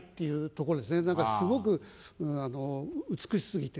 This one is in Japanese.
何かすごく美し過ぎて。